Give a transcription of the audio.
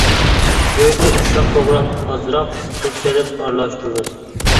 گۆشنى ئۇششاق توغراپ، ئازراق تۇز سېلىپ ئارىلاشتۇرىمىز.